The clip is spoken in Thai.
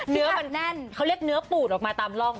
เนื้อมันแน่นเขาเรียกเนื้อปูดออกมาตามร่อง